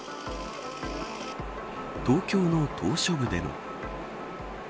東京の島しょ部でも。